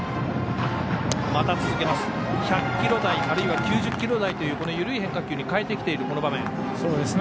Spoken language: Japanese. １００キロ台あるいは９０キロ台というこの緩い変化球に変えてきている、この場面。